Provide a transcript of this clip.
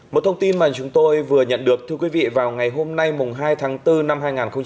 một thông tin mà chúng tôi vừa nhận được thưa quý vị vào ngày hôm nay hai tháng bốn năm hai nghìn hai mươi